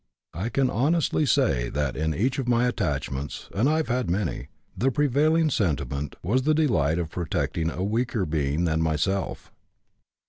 I can honestly say that in each of my attachments, and I have had many, the prevailing sentiment was the delight of protecting a weaker being than myself.